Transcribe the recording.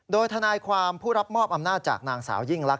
โดยทนายความผู้รับมอบอำนาจจากนางสาวยิ่งลักษ